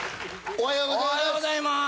おはようございます。